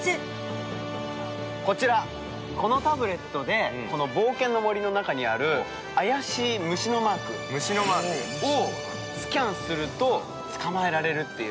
こちらこのタブレットでこの冒険の森の中にある怪しい虫のマークをスキャンすると捕まえられるっていう。